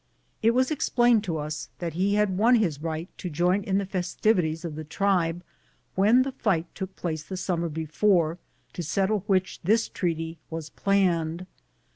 It was explained to us that he had won his right to join in the festivities of the tribe when the fight took place the summer before, to settle which this treaty was planned.